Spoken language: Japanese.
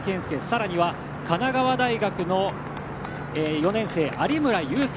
更には神奈川大学の４年生有村祐亮。